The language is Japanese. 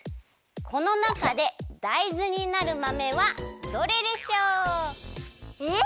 このなかでだいずになるまめはどれでしょう？え？